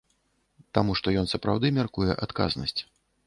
Таму што ён сапраўды мяркуе адказнасць.